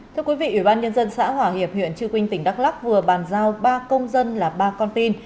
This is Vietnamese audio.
thưa quý vị ủy ban nhân dân xã hòa hiệp huyện trư quynh tỉnh đắk lắc vừa bàn giao ba công dân là ba con tin